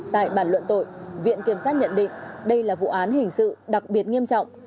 tại bản luận tội viện kiểm sát nhận định đây là vụ án hình sự đặc biệt nghiêm trọng